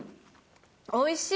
おいしい。